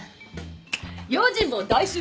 『用心棒大集合』！